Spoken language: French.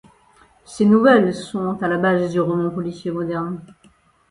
Ces nouvelles sont à la base du roman policier moderne.